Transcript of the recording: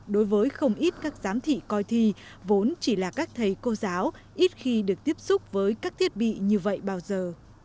đối với không ít các giám thị coi thi vốn chỉ là các thầy cô giáo ít khi được tiếp xúc với các thiết bị như vậy bao giờ